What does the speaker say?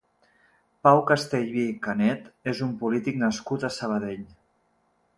Pau Castellví Canet és un polític nascut a Sabadell.